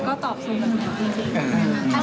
มันดูเหมือนกัน